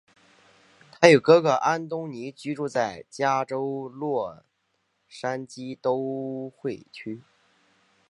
他与哥哥安东尼居住在加州洛杉矶都会区。